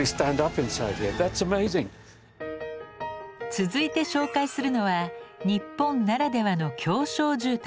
続いて紹介するのは日本ならではの「狭小住宅」。